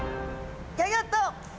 ギョギョッと！